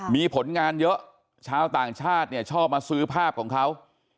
มีผลงานเยอะชาวต่างชาติเนี่ยชอบมาซื้อภาพของเขา